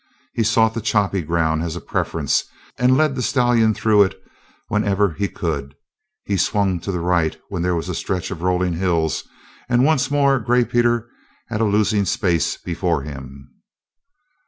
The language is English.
He sought the choppy ground as a preference and led the stallion through it wherever he could; he swung to the right, where there was a stretch of rolling hills, and once more Gray Peter had a losing space before him.